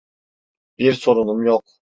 Bir sorunum yok.